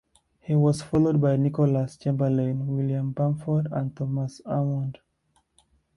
He was followed by Nicholas Chamberlain, William Bamford, and Thomas Ormond.